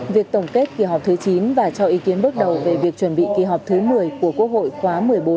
việc tổng kết kỳ họp thứ chín và cho ý kiến bước đầu về việc chuẩn bị kỳ họp thứ một mươi của quốc hội khóa một mươi bốn